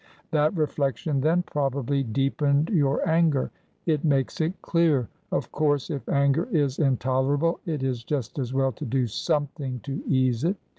" That reflection, then, probably deepened your anger. It makes it clear. Of course if anger is intolerable it is just as well to do something to ease it.